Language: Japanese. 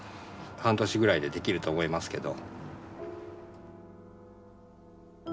半年ぐらいでできると思いますけど。